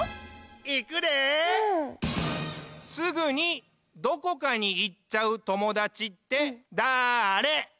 すぐにどこかにいっちゃうともだちってだあれ？